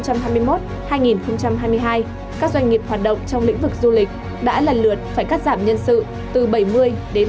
các doanh nghiệp hoạt động trong lĩnh vực du lịch đã lần lượt phải cắt giảm nhân sự từ bảy mươi đến ba mươi